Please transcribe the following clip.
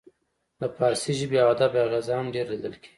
د فارسي ژبې او ادب اغیزه هم ډیره لیدل کیږي